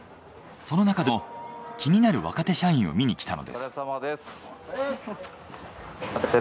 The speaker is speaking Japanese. その中でも気になる若手社員を見に来たのです。